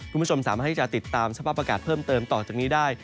คุณผู้ชมสามารถที่จะติดตามสภาพอากาศเพิ่มเติมต่อจากนี้ได้